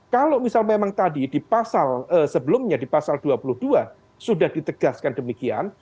kalau misal memang tadi di pasal sebelumnya di pasal dua puluh dua sudah ditegaskan demikian